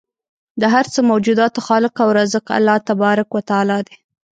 د هر څه موجوداتو خالق او رازق الله تبارک و تعالی دی